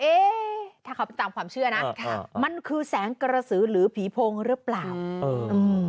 เอ๊ะถ้าเขาไปตามความเชื่อนะค่ะมันคือแสงกระสือหรือผีโพงหรือเปล่าอืม